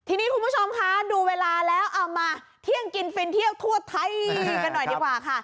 ทีนี้คุณผู้ชมคะดูเวลาแล้วเอามาเที่ยงกินฟินเที่ยวทั่วไทยกันหน่อยดีกว่าค่ะ